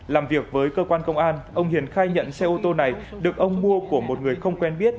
làm việc với cơ quan công an ông hiền khai nhận xe ô tô này được ông mua của một người không quen biết